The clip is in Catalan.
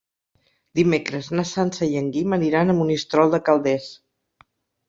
Dimecres na Sança i en Guim aniran a Monistrol de Calders.